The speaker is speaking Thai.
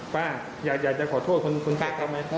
ป้าอยากจะขอโทษคนเกาะทำไม